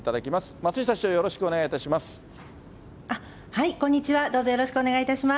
松下市長、よろしくお願いいたします。